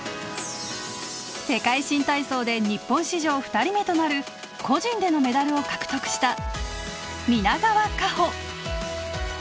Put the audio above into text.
世界新体操で日本史上２人目となる個人でのメダルを獲得した皆川夏穂。